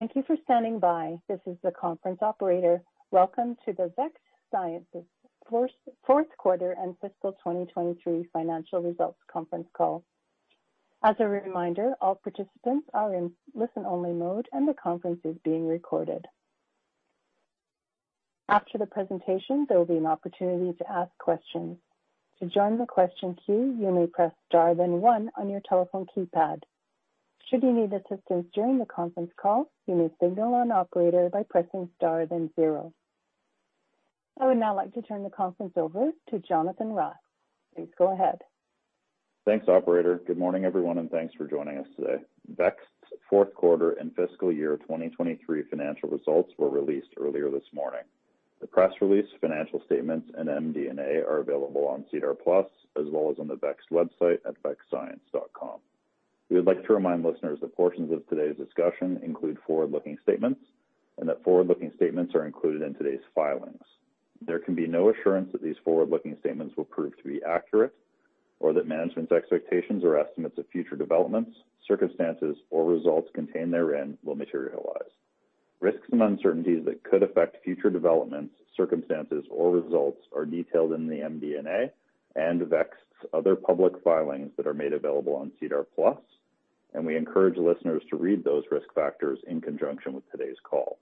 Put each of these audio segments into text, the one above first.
Thank you for standing by. This is the conference operator. Welcome to the Vext Science's Fourth Quarter and Fiscal 2023 Financial Results Conference Call. As a reminder, all participants are in listen-only mode and the conference is being recorded. After the presentation, there will be an opportunity to ask questions. To join the question queue, you may press star then one on your telephone keypad. Should you need assistance during the conference call, you may signal on operator by pressing star then zero. I would now like to turn the conference over to Jonathan Ross. Please go ahead. Thanks, operator. Good morning, everyone, and thanks for joining us today. Vext's fourth quarter and fiscal year 2023 financial results were released earlier this morning. The press release, financial statements, and MD&A are available on SEDAR+ as well as on the Vext website at vextscience.com. We would like to remind listeners that portions of today's discussion include forward-looking statements and that forward-looking statements are included in today's filings. There can be no assurance that these forward-looking statements will prove to be accurate or that management's expectations or estimates of future developments, circumstances, or results contained therein will materialize. Risks and uncertainties that could affect future developments, circumstances, or results are detailed in the MD&A and Vext's other public filings that are made available on SEDAR+, and we encourage listeners to read those risk factors in conjunction with today's call.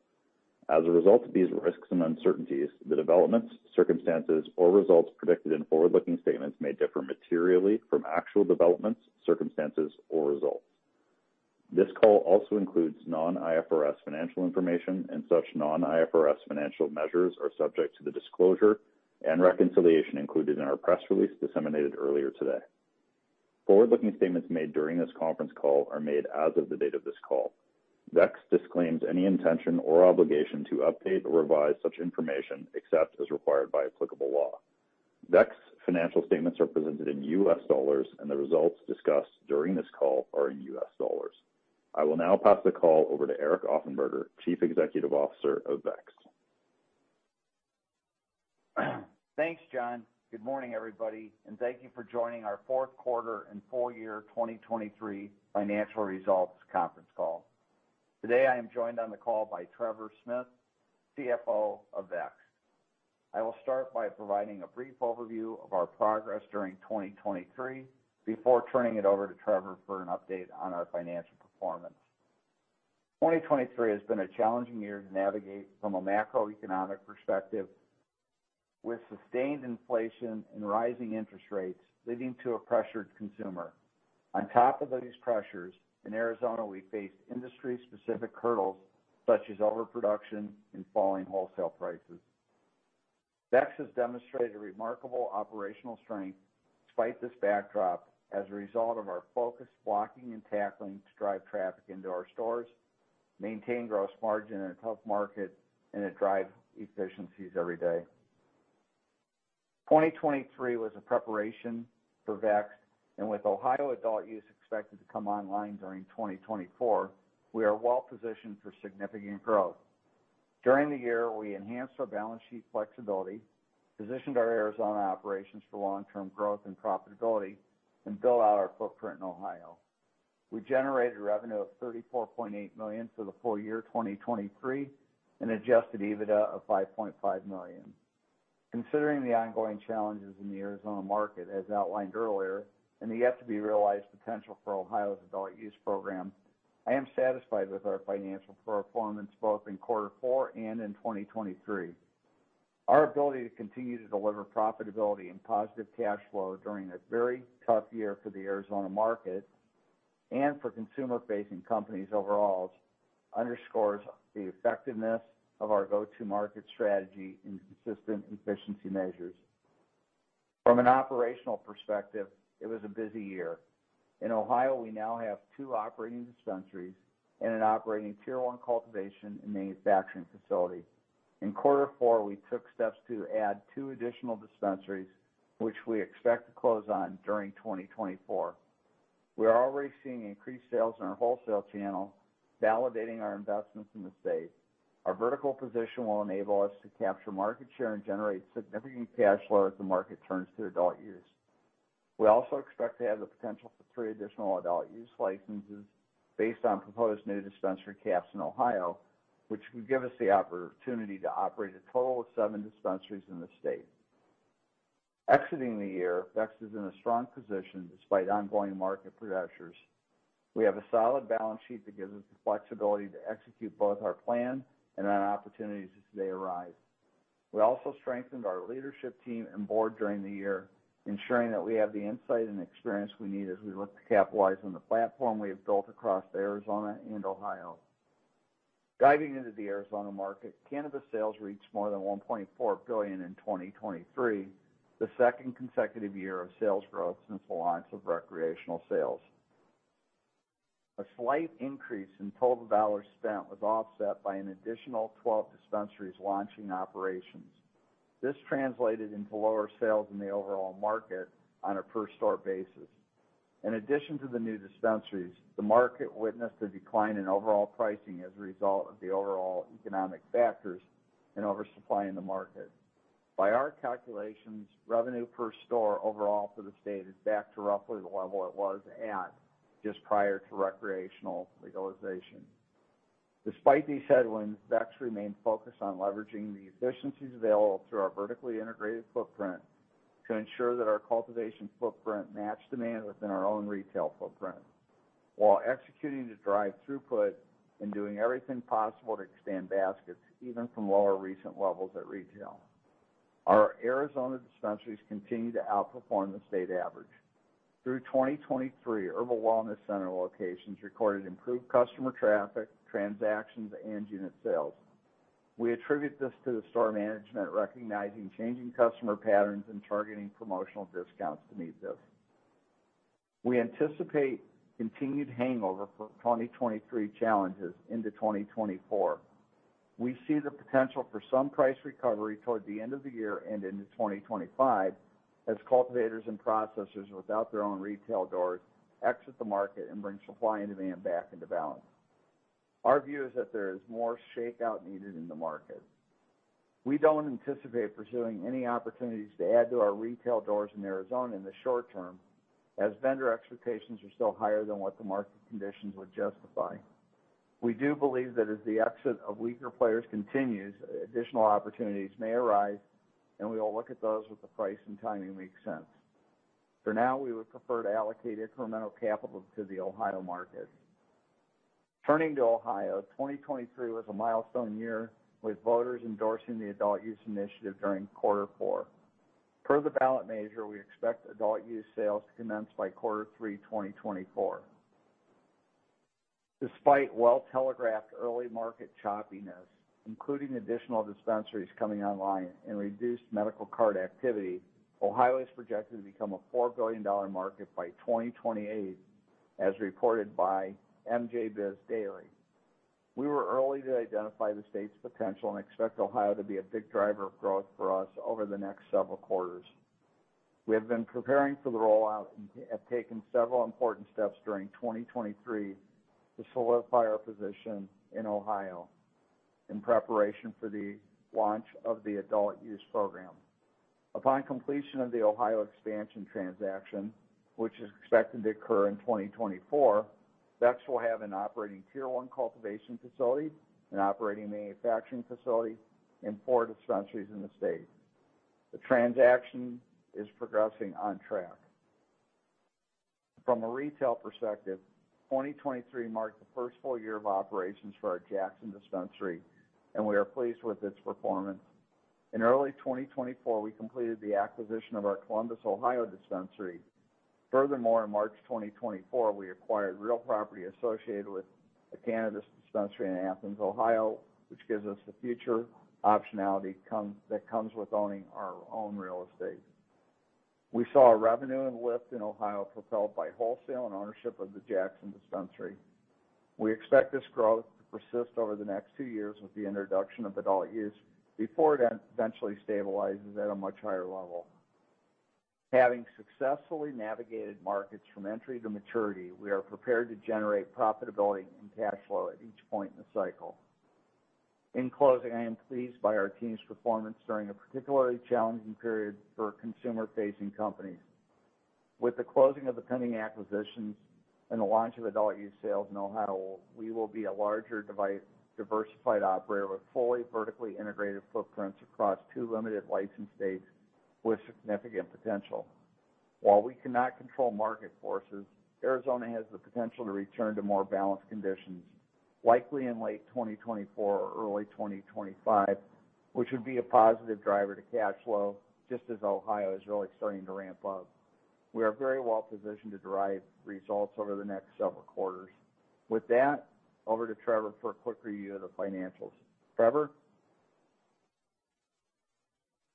As a result of these risks and uncertainties, the developments, circumstances, or results predicted in forward-looking statements may differ materially from actual developments, circumstances, or results. This call also includes non-IFRS financial information, and such non-IFRS financial measures are subject to the disclosure and reconciliation included in our press release disseminated earlier today. Forward-looking statements made during this conference call are made as of the date of this call. Vext disclaims any intention or obligation to update or revise such information except as required by applicable law. Vext's financial statements are presented in U.S. dollars, and the results discussed during this call are in U.S. dollars. I will now pass the call over to Eric Offenberger, Chief Executive Officer of Vext. Thanks, John. Good morning, everybody, and thank you for joining our fourth quarter and full year 2023 financial results conference call. Today, I am joined on the call by Trevor Smith, CFO of Vext. I will start by providing a brief overview of our progress during 2023 before turning it over to Trevor for an update on our financial performance. 2023 has been a challenging year to navigate from a macroeconomic perspective with sustained inflation and rising interest rates leading to a pressured consumer. On top of these pressures, in Arizona, we faced industry-specific hurdles such as overproduction and falling wholesale prices. Vext has demonstrated remarkable operational strength despite this backdrop as a result of our focused blocking and tackling to drive traffic into our stores, maintain gross margin in a tough market, and to drive efficiencies every day. 2023 was a preparation for Vext, and with Ohio adult use expected to come online during 2024, we are well positioned for significant growth. During the year, we enhanced our balance sheet flexibility, positioned our Arizona operations for long-term growth and profitability, and built out our footprint in Ohio. We generated revenue of $34.8 million for the full year 2023 and Adjusted EBITDA of $5.5 million. Considering the ongoing challenges in the Arizona market, as outlined earlier, and the yet-to-be-realized potential for Ohio's adult use program, I am satisfied with our financial performance both in quarter four and in 2023. Our ability to continue to deliver profitability and positive cash flow during a very tough year for the Arizona market and for consumer-facing companies overall underscores the effectiveness of our go-to-market strategy and consistent efficiency measures. From an operational perspective, it was a busy year. In Ohio, we now have 2 operating dispensaries and an operating Tier 1 cultivation and manufacturing facility. In quarter four, we took steps to add 2 additional dispensaries, which we expect to close on during 2024. We are already seeing increased sales in our wholesale channel validating our investments in the state. Our vertical position will enable us to capture market share and generate significant cash flow as the market turns to adult use. We also expect to have the potential for 3 additional adult use licenses based on proposed new dispensary caps in Ohio, which could give us the opportunity to operate a total of 7 dispensaries in the state. Exiting the year, Vext is in a strong position despite ongoing market pressures. We have a solid balance sheet that gives us the flexibility to execute both our plan and on opportunities as they arise. We also strengthened our leadership team and board during the year, ensuring that we have the insight and experience we need as we look to capitalize on the platform we have built across Arizona and Ohio. Diving into the Arizona market, cannabis sales reached more than $1.4 billion in 2023, the second consecutive year of sales growth since the launch of recreational sales. A slight increase in total dollars spent was offset by an additional 12 dispensaries launching operations. This translated into lower sales in the overall market on a per-store basis. In addition to the new dispensaries, the market witnessed a decline in overall pricing as a result of the overall economic factors and oversupply in the market. By our calculations, revenue per store overall for the state is back to roughly the level it was at just prior to recreational legalization. Despite these headwinds, Vext remained focused on leveraging the efficiencies available through our vertically integrated footprint to ensure that our cultivation footprint matched demand within our own retail footprint while executing to drive throughput and doing everything possible to extend baskets even from lower recent levels at retail. Our Arizona dispensaries continue to outperform the state average. Through 2023, Herbal Wellness Center locations recorded improved customer traffic, transactions, and unit sales. We attribute this to the store management recognizing changing customer patterns and targeting promotional discounts to meet this. We anticipate continued hangover for 2023 challenges into 2024. We see the potential for some price recovery toward the end of the year and into 2025 as cultivators and processors without their own retail doors exit the market and bring supply and demand back into balance. Our view is that there is more shakeout needed in the market. We don't anticipate pursuing any opportunities to add to our retail doors in Arizona in the short term as vendor expectations are still higher than what the market conditions would justify. We do believe that as the exit of weaker players continues, additional opportunities may arise, and we will look at those with the price and timing making sense. For now, we would prefer to allocate incremental capital to the Ohio market. Turning to Ohio, 2023 was a milestone year with voters endorsing the adult use initiative during quarter four. Per the ballot measure, we expect adult use sales to commence by quarter three 2024. Despite well-telegraphed early market choppiness, including additional dispensaries coming online and reduced medical card activity, Ohio is projected to become a $4 billion market by 2028 as reported by MJBizDaily. We were early to identify the state's potential and expect Ohio to be a big driver of growth for us over the next several quarters. We have been preparing for the rollout and have taken several important steps during 2023 to solidify our position in Ohio in preparation for the launch of the adult use program. Upon completion of the Ohio expansion transaction, which is expected to occur in 2024, Vext will have an operating Tier 1 cultivation facility, an operating manufacturing facility, and four dispensaries in the state. The transaction is progressing on track. From a retail perspective, 2023 marked the first full year of operations for our Jackson dispensary, and we are pleased with its performance. In early 2024, we completed the acquisition of our Columbus, Ohio dispensary. Furthermore, in March 2024, we acquired real property associated with the cannabis dispensary in Athens, Ohio, which gives us the future optionality that comes with owning our own real estate. We saw a revenue lift in Ohio propelled by wholesale and ownership of the Jackson dispensary. We expect this growth to persist over the next two years with the introduction of adult use before it eventually stabilizes at a much higher level. Having successfully navigated markets from entry to maturity, we are prepared to generate profitability and cash flow at each point in the cycle. In closing, I am pleased by our team's performance during a particularly challenging period for consumer-facing companies. With the closing of the pending acquisitions and the launch of adult use sales in Ohio, we will be a larger diversified operator with fully vertically integrated footprints across two limited licensed states with significant potential. While we cannot control market forces, Arizona has the potential to return to more balanced conditions likely in late 2024 or early 2025, which would be a positive driver to cash flow just as Ohio is really starting to ramp up. We are very well positioned to derive results over the next several quarters. With that, over to Trevor for a quick review of the financials. Trevor?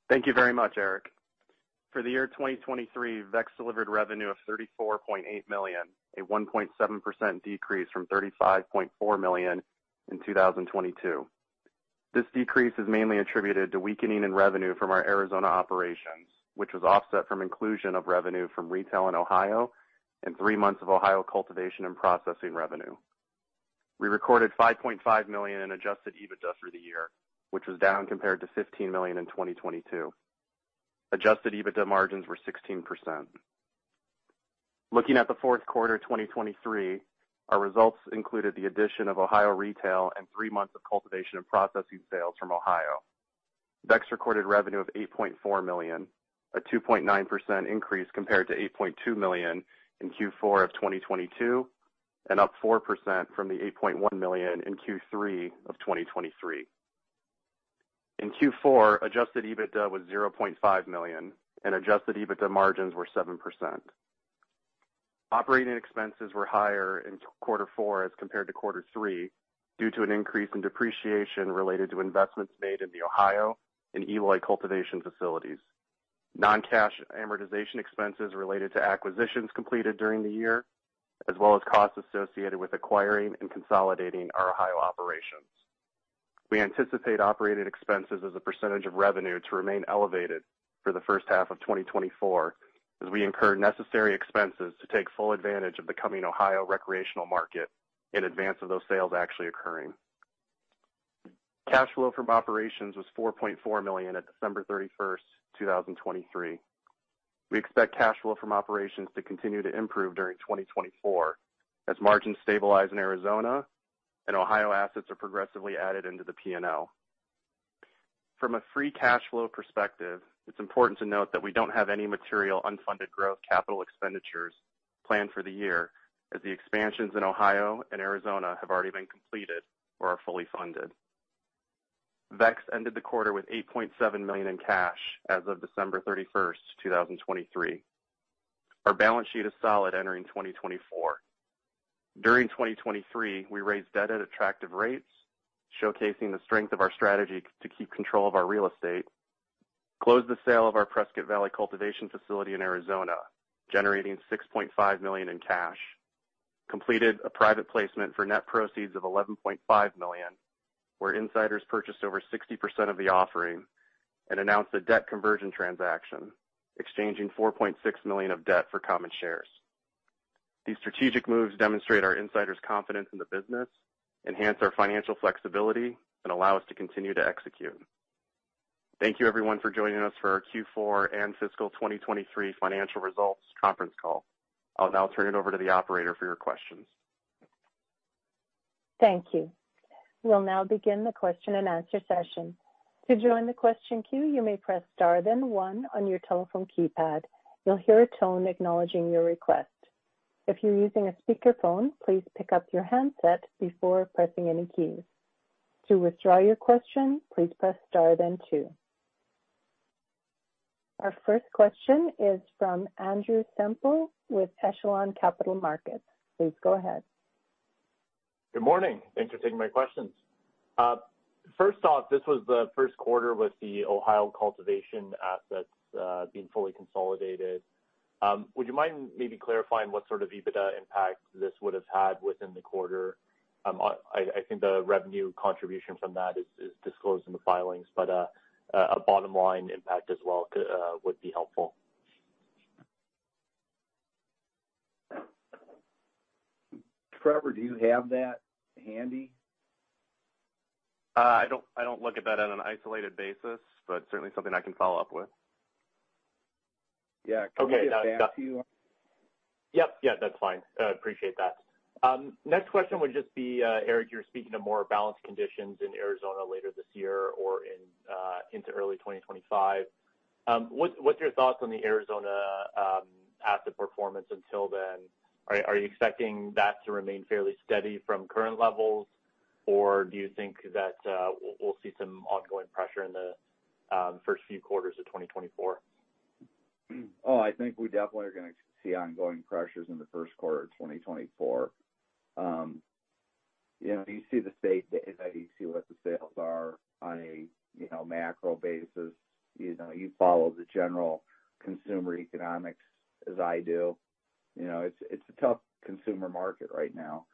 Thank you very much, Eric. For the year 2023, Vext delivered revenue of $34.8 million, a 1.7% decrease from $35.4 million in 2022. This decrease is mainly attributed to weakening in revenue from our Arizona operations, which was offset from inclusion of revenue from retail in Ohio and three months of Ohio cultivation and processing revenue. We recorded $5.5 million in adjusted EBITDA for the year, which was down compared to $15 million in 2022. Adjusted EBITDA margins were 16%. Looking at the fourth quarter 2023, our results included the addition of Ohio retail and three months of cultivation and processing sales from Ohio. Vext recorded revenue of $8.4 million, a 2.9% increase compared to $8.2 million in Q4 of 2022 and up 4% from the $8.1 million in Q3 of 2023. In Q4, adjusted EBITDA was $0.5 million, and adjusted EBITDA margins were 7%. Operating expenses were higher in quarter four as compared to quarter three due to an increase in depreciation related to investments made in the Ohio and Eloy cultivation facilities, non-cash amortization expenses related to acquisitions completed during the year, as well as costs associated with acquiring and consolidating our Ohio operations. We anticipate operating expenses as a percentage of revenue to remain elevated for the first half of 2024 as we incur necessary expenses to take full advantage of the coming Ohio recreational market in advance of those sales actually occurring. Cash flow from operations was $4.4 million at December 31st, 2023. We expect cash flow from operations to continue to improve during 2024 as margins stabilize in Arizona and Ohio assets are progressively added into the P&L. From a free cash flow perspective, it's important to note that we don't have any material unfunded growth capital expenditures planned for the year as the expansions in Ohio and Arizona have already been completed or are fully funded. Vext ended the quarter with $8.7 million in cash as of December 31st, 2023. Our balance sheet is solid entering 2024. During 2023, we raised debt at attractive rates, showcasing the strength of our strategy to keep control of our real estate, closed the sale of our Prescott Valley cultivation facility in Arizona, generating $6.5 million in cash, completed a private placement for net proceeds of $11.5 million where insiders purchased over 60% of the offering and announced a debt conversion transaction, exchanging $4.6 million of debt for common shares. These strategic moves demonstrate our insiders' confidence in the business, enhance our financial flexibility, and allow us to continue to execute. Thank you, everyone, for joining us for our Q4 and fiscal 2023 financial results conference call. I'll now turn it over to the operator for your questions. Thank you. We'll now begin the question and answer session. To join the question queue, you may press star then one on your telephone keypad. You'll hear a tone acknowledging your request. If you're using a speakerphone, please pick up your handset before pressing any keys. To withdraw your question, please press star then two. Our first question is from Andrew Semple with Echelon Capital Markets. Please go ahead. Good morning. Thanks for taking my questions. First off, this was the first quarter with the Ohio cultivation assets being fully consolidated. Would you mind maybe clarifying what sort of EBITDA impact this would have had within the quarter? I think the revenue contribution from that is disclosed in the filings, but a bottom line impact as well would be helpful. Trevor, do you have that handy? I don't look at that on an isolated basis, but certainly something I can follow up with. Yeah. Okay. Can I get back to you on that? Yep. Yeah. That's fine. Appreciate that. Next question would just be, Eric, you're speaking of more balanced conditions in Arizona later this year or into early 2025. What's your thoughts on the Arizona asset performance until then? Are you expecting that to remain fairly steady from current levels, or do you think that we'll see some ongoing pressure in the first few quarters of 2024? Oh, I think we definitely are going to see ongoing pressures in the first quarter of 2024. You see the state data, you see what the sales are on a macro basis. You follow the general consumer economics as I do. It's a tough consumer market right now.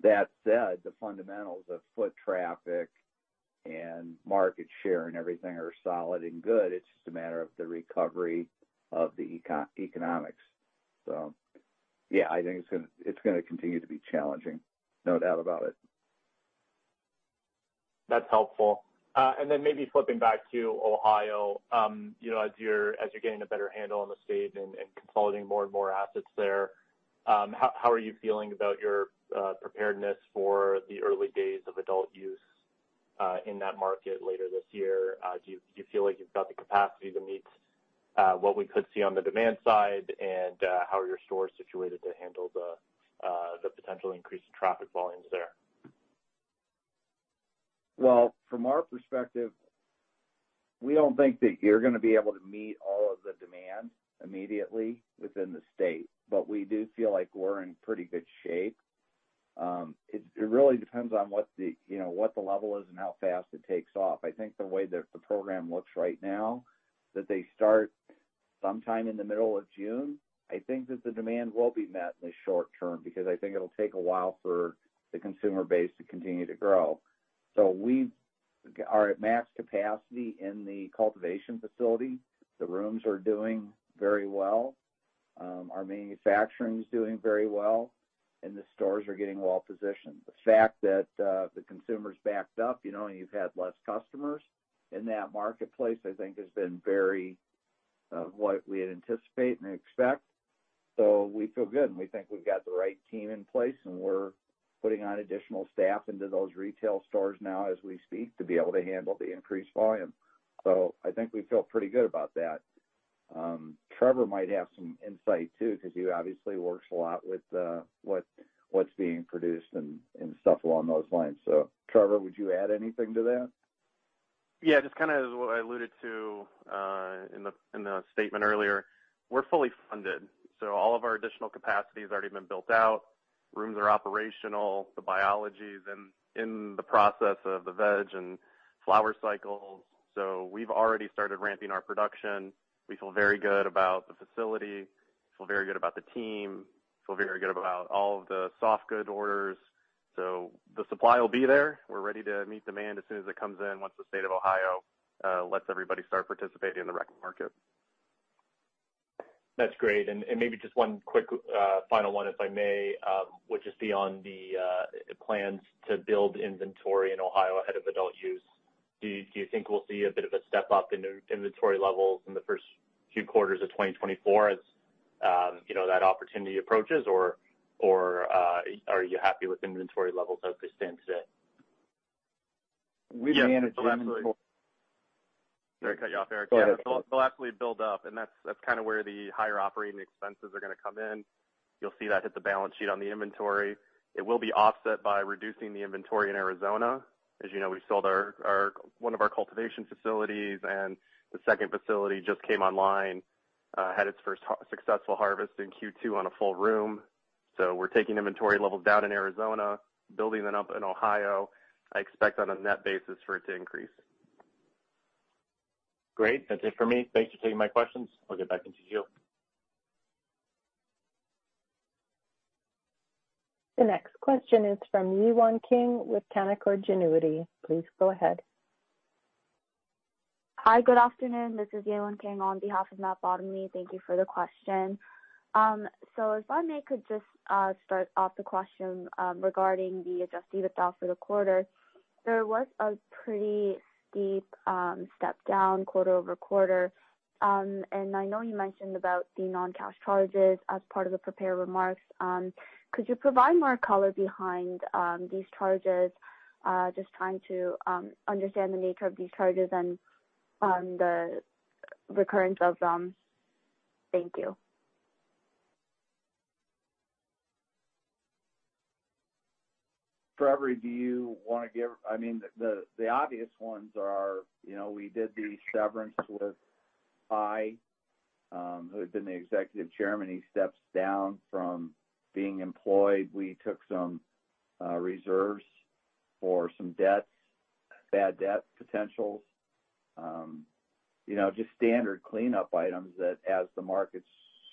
That said, the fundamentals of foot traffic and market share and everything are solid and good. It's just a matter of the recovery of the economics. So yeah, I think it's going to continue to be challenging, no doubt about it. That's helpful. And then maybe flipping back to Ohio, as you're getting a better handle on the state and consolidating more and more assets there, how are you feeling about your preparedness for the early days of adult use in that market later this year? Do you feel like you've got the capacity to meet what we could see on the demand side, and how are your stores situated to handle the potential increase in traffic volumes there? Well, from our perspective, we don't think that you're going to be able to meet all of the demand immediately within the state, but we do feel like we're in pretty good shape. It really depends on what the level is and how fast it takes off. I think the way that the program looks right now, that they start sometime in the middle of June, I think that the demand will be met in the short term because I think it'll take a while for the consumer base to continue to grow. So we are at max capacity in the cultivation facility. The rooms are doing very well. Our manufacturing is doing very well, and the stores are getting well positioned. The fact that the consumer's backed up and you've had less customers in that marketplace, I think, has been very what we had anticipated and expected. So we feel good. We think we've got the right team in place, and we're putting on additional staff into those retail stores now as we speak to be able to handle the increased volume. So I think we feel pretty good about that. Trevor might have some insight too because he obviously works a lot with what's being produced and stuff along those lines. So Trevor, would you add anything to that? Yeah. Just kind of as what I alluded to in the statement earlier, we're fully funded. So all of our additional capacity has already been built out. Rooms are operational. The biology is in the process of the veg and flower cycles. So we've already started ramping our production. We feel very good about the facility. We feel very good about the team. We feel very good about all of the soft goods orders. So the supply will be there. We're ready to meet demand as soon as it comes in once the state of Ohio lets everybody start participating in the rec market. That's great. And maybe just one quick final one, if I may, would just be on the plans to build inventory in Ohio ahead of adult use. Do you think we'll see a bit of a step up in inventory levels in the first few quarters of 2024 as that opportunity approaches, or are you happy with inventory levels as they stand today? We manage inventory. Sorry to cut you off, Eric. Yeah. They'll absolutely build up, and that's kind of where the higher operating expenses are going to come in. You'll see that hit the balance sheet on the inventory. It will be offset by reducing the inventory in Arizona. As you know, we've sold one of our cultivation facilities, and the second facility just came online, had its first successful harvest in Q2 on a full room. So we're taking inventory levels down in Arizona, building them up in Ohio. I expect on a net basis for it to increase. Great. That's it for me. Thanks for taking my questions. I'll get back to you. The next question is from Yewon Kang with Canaccord Genuity. Please go ahead. Hi. Good afternoon. This is Yewon Kang on behalf of Matt Bottomley. Thank you for the question. So if I may, could just start off the question regarding the Adjusted EBITDA for the quarter. There was a pretty steep step down quarter-over-quarter. And I know you mentioned about the non-cash charges as part of the prepared remarks. Could you provide more color behind these charges, just trying to understand the nature of these charges and the recurrence of them? Thank you. Trevor, do you want to give? I mean, the obvious ones are we did the severance with Thai, who had been the Executive Chairman. He stepped down from being employed. We took some reserves for some debts, bad debt potentials, just standard cleanup items that as the markets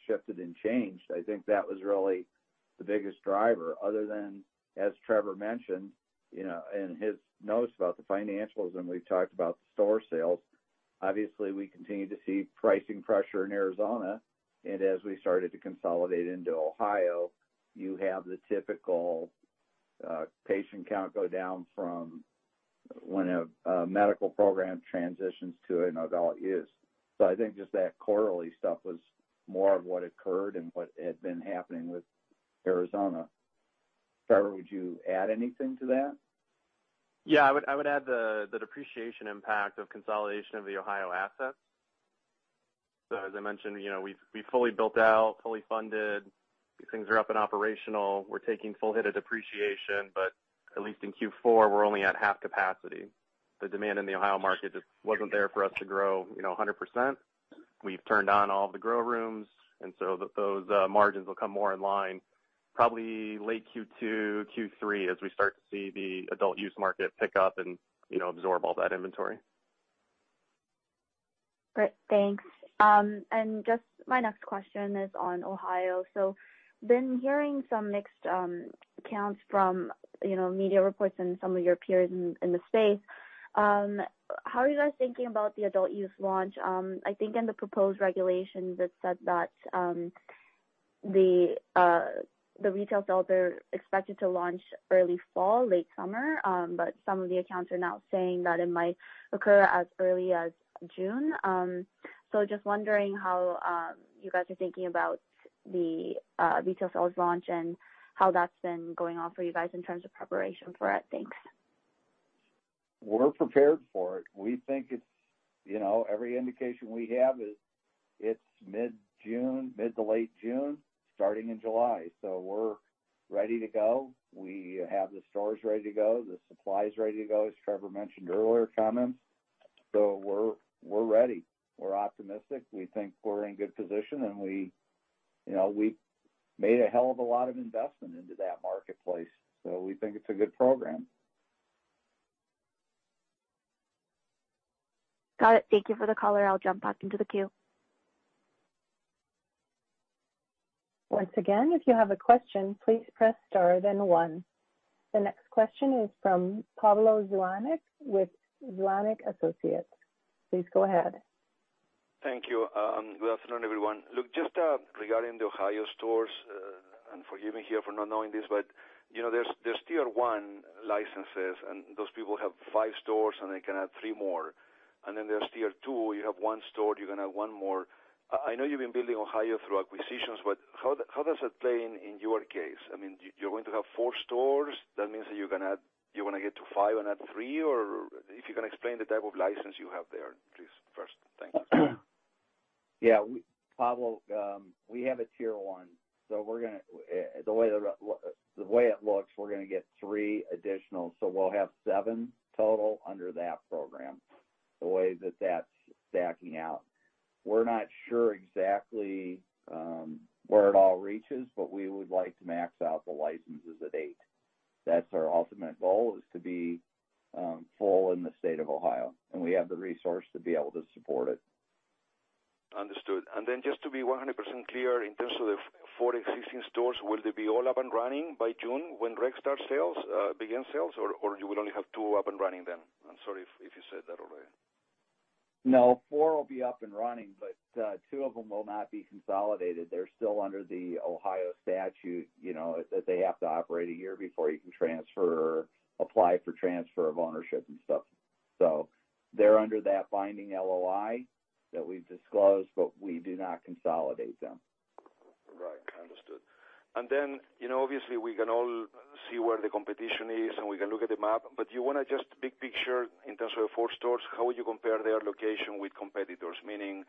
shifted and changed, I think that was really the biggest driver. Other than, as Trevor mentioned in his notes about the financials and we've talked about the store sales, obviously, we continue to see pricing pressure in Arizona. And as we started to consolidate into Ohio, you have the typical patient count go down from when a medical program transitions to an adult use. So I think just that quarterly stuff was more of what occurred and what had been happening with Arizona. Trevor, would you add anything to that? Yeah. I would add the depreciation impact of consolidation of the Ohio assets. So as I mentioned, we've fully built out, fully funded. Things are up and operational. We're taking full hit of depreciation, but at least in Q4, we're only at half capacity. The demand in the Ohio market just wasn't there for us to grow 100%. We've turned on all of the grow rooms, and so those margins will come more in line, probably late Q2, Q3, as we start to see the adult use market pick up and absorb all that inventory. Great. Thanks. Just my next question is on Ohio. So been hearing some mixed accounts from media reports and some of your peers in the space. How are you guys thinking about the adult use launch? I think in the proposed regulations, it said that the retail sales are expected to launch early fall, late summer, but some of the accounts are now saying that it might occur as early as June. So just wondering how you guys are thinking about the retail sales launch and how that's been going on for you guys in terms of preparation for it? Thanks. We're prepared for it. We think it's every indication we have is it's mid-June, mid- to late June, starting in July. So we're ready to go. We have the stores ready to go, the supplies ready to go, as Trevor mentioned earlier comments. So we're ready. We're optimistic. We think we're in good position, and we've made a hell of a lot of investment into that marketplace. So we think it's a good program. Got it. Thank you for the caller. I'll jump back into the queue. Once again, if you have a question, please press star then one. The next question is from Pablo Zuanich with Zuanich & Associates. Please go ahead. Thank you. Good afternoon, everyone. Look, just regarding the Ohio stores, and forgive me here for not knowing this, but there's Tier 1 licenses, and those people have 5 stores, and they can add 3 more. And then there's Tier 2. You have 1 store. You're going to add 1 more. I know you've been building Ohio through acquisitions, but how does that play in your case? I mean, you're going to have 4 stores. That means that you're going to get to 5 and add 3, or if you can explain the type of license you have there, please, first. Thank you. Yeah. Pablo, we have a Tier 1. So the way it looks, we're going to get 3 additional. So we'll have 7 total under that program, the way that that's stacking out. We're not sure exactly where it all reaches, but we would like to max out the licenses at 8. That's our ultimate goal, is to be full in the state of Ohio. And we have the resource to be able to support it. Understood. And then just to be 100% clear, in terms of the four existing stores, will they be all up and running by June when rec starts sales, begin sales, or you will only have two up and running then? I'm sorry if you said that already. No. 4 will be up and running, but 2 of them will not be consolidated. They're still under the Ohio statute that they have to operate a year before you can transfer, apply for transfer of ownership, and stuff. So they're under that binding LOI that we've disclosed, but we do not consolidate them. Right. Understood. And then obviously, we can all see where the competition is, and we can look at the map. But you want to just big picture in terms of the four stores, how would you compare their location with competitors? Meaning,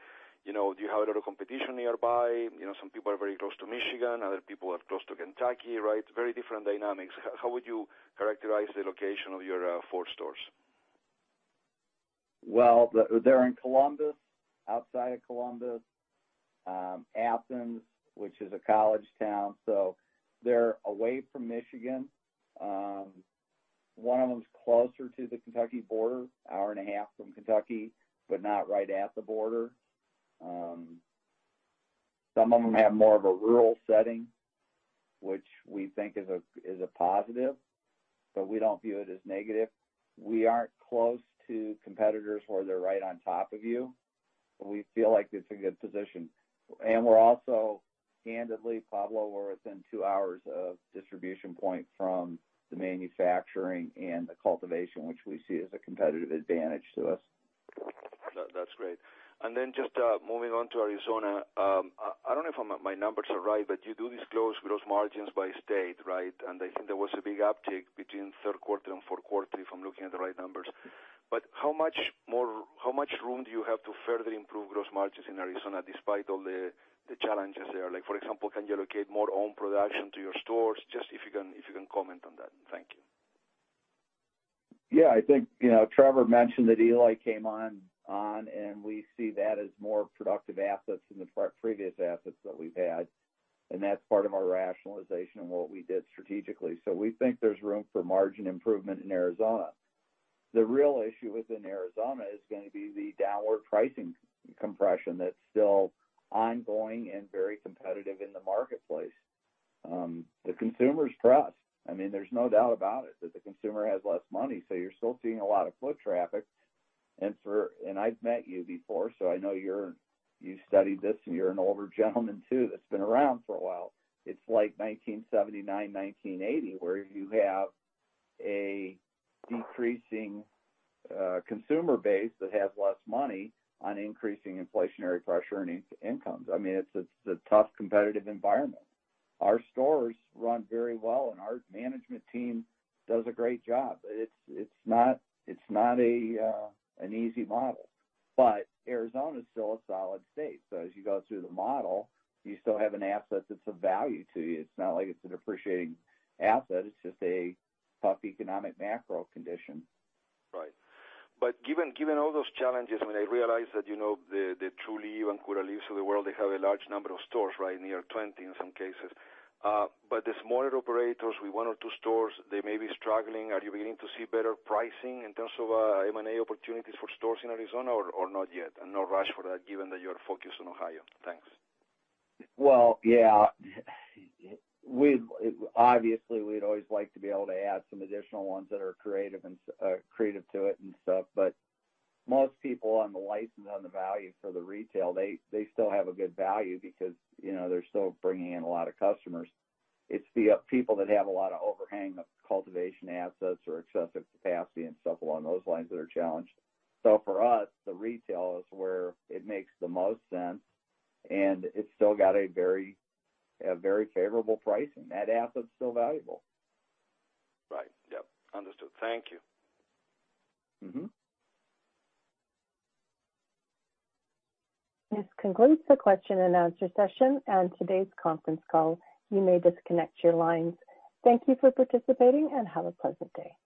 do you have a lot of competition nearby? Some people are very close to Michigan. Other people are close to Kentucky, right? Very different dynamics. How would you characterize the location of your four stores? Well, they're in Columbus, outside of Columbus, Athens, which is a college town. So they're away from Michigan. One of them's closer to the Kentucky border, an hour and a half from Kentucky, but not right at the border. Some of them have more of a rural setting, which we think is a positive, but we don't view it as negative. We aren't close to competitors where they're right on top of you. We feel like it's a good position. And we're also, candidly, Pablo, we're within two hours of distribution point from the manufacturing and the cultivation, which we see as a competitive advantage to us. That's great. And then just moving on to Arizona, I don't know if my numbers are right, but you do disclose gross margins by state, right? And I think there was a big uptick between third quarter and fourth quarter if I'm looking at the right numbers. But how much room do you have to further improve gross margins in Arizona despite all the challenges there? For example, can you allocate more own production to your stores? Just if you can comment on that. Thank you. Yeah. I think Trevor mentioned that Eloy came on, and we see that as more productive assets than the previous assets that we've had. And that's part of our rationalization and what we did strategically. So we think there's room for margin improvement in Arizona. The real issue within Arizona is going to be the downward pricing compression that's still ongoing and very competitive in the marketplace. The consumer's pressed. I mean, there's no doubt about it, that the consumer has less money. So you're still seeing a lot of foot traffic. And I've met you before, so I know you studied this, and you're an older gentleman too that's been around for a while. It's like 1979, 1980, where you have a decreasing consumer base that has less money on increasing inflationary pressure and incomes. I mean, it's a tough competitive environment. Our stores run very well, and our management team does a great job. It's not an easy model. But Arizona is still a solid state. So as you go through the model, you still have an asset that's of value to you. It's not like it's a depreciating asset. It's just a tough economic macro condition. Right. But given all those challenges, I mean, I realize that the Trulieve and Curaleaf of the world, they have a large number of stores, right, near 20 in some cases. But the smaller operators, with one or two stores, they may be struggling. Are you beginning to see better pricing in terms of M&A opportunities for stores in Arizona or not yet? And no rush for that given that you are focused on Ohio. Thanks. Well, yeah. Obviously, we'd always like to be able to add some additional ones that are creative to it and stuff. But most people on the license on the value for the retail, they still have a good value because they're still bringing in a lot of customers. It's the people that have a lot of overhang of cultivation assets or excessive capacity and stuff along those lines that are challenged. So for us, the retail is where it makes the most sense, and it's still got a very favorable pricing. That asset's still valuable. Right. Yep. Understood. Thank you. This concludes the question and answer session and today's conference call. You may disconnect your lines. Thank you for participating, and have a pleasant day.